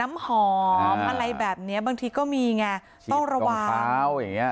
น้ำหอมอะไรแบบเนี้ยบางทีก็มีไงต้องระวังอย่างเงี้